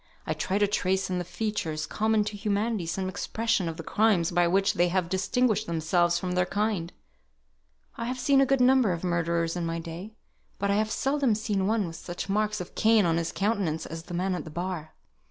I try to trace in the features common to humanity some expression of the crimes by which they have distinguished themselves from their kind. I have seen a good number of murderers in my day, but I have seldom seen one with such marks of Cain on his countenance as the man at the bar."